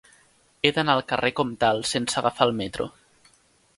He d'anar al carrer Comtal sense agafar el metro.